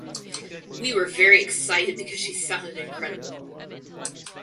We were very excited because she sounded incredible.